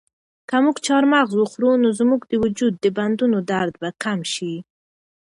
که موږ چهارمغز وخورو نو زموږ د وجود د بندونو درد به کم شي.